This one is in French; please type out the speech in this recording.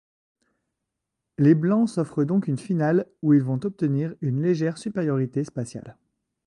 Les Blancs s'offrent donc une finale où ils vont obtenir une légère supériorité spatiale.